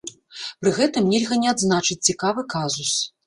Пры гэтым нельга не адзначыць цікавы казус.